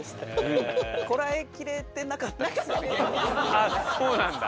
あっそうなんだ。